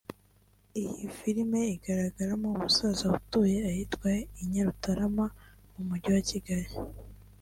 Iyi film igaragaramo umusaza utuye ahitwa i Nyarutarama mu Mujyi wa Kigali